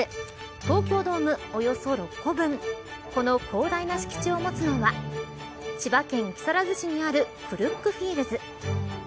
東京ドームおよそ６個分この広大な敷地を持つのは千葉県木更津市にあるクルックフィールズ。